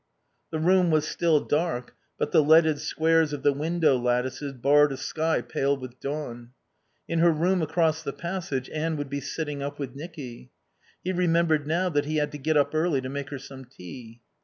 The room was still dark, but the leaded squares of the window lattices barred a sky pale with dawn. In her room across the passage Anne would be sitting up with Nicky. He remembered now that he had to get up early to make her some tea.